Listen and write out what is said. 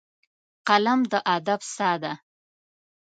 قلم د ادب ساه ده